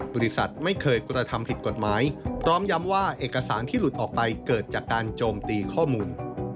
บริษัทไม่เคยกระทำผิดกฎหมายพร้อมย้ำว่าเอกสารที่หลุดออกไปเกิดจากการโจมตีข้อมูล